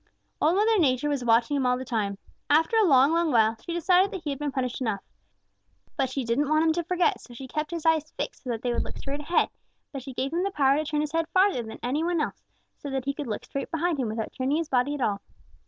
"Old Mother Nature was watching him all the time. After a long, long while, she decided that he had been punished enough. But she didn't want him to forget, so she kept his eyes fixed so that they would look straight ahead; but she gave him the power to turn his head farther than any one else, so that he could look straight behind him without turning his body at all.